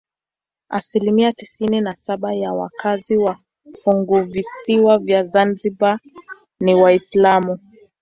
Asilimia tisini na saba ya wakazi wa funguvisiwa vya Zanzibar ni Waislamu.